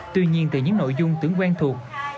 tuy nhiên từ những nội dung tưởng quen thuộc